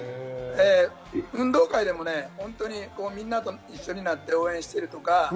運動会でもみんなと一緒になって応援しているとか。